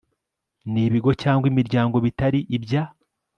n ibigo cyangwa imiryango bitari ibya